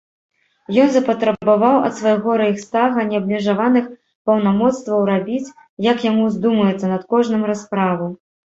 Ён запатрабаваў ад свайго рэйхстага неабмежаваных паўнамоцтваў рабіць, як яму ўздумаецца, над кожным расправу.